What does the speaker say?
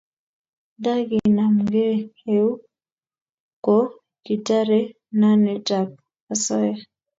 nda kinamgei eun ko kitare nanet ab asoya